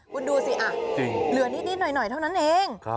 คุณดูสิเหลือนิดหน่อยเท่านั้นเอง